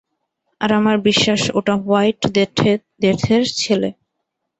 আর আমার বিশ্বাস ওটা হোয়াইট ডেথের ছেলে।